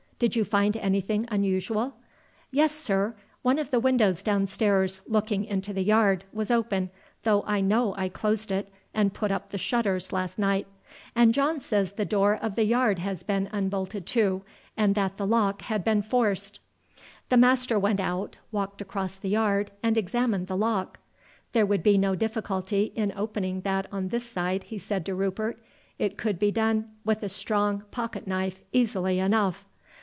"Did you find anything unusual?" "Yes, sir. One of the windows downstairs, looking into the yard, was open, though I know I closed it and put up the shutters last night; and John says the door of the yard has been unbolted too, and that the lock had been forced." The master went out, walked across the yard, and examined the lock. "There would be no difficulty in opening that on this side," he said to Rupert; "it could be done with a strong pocket knife easily enough."